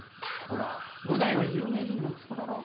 ほら伍代は有名人の息子だろ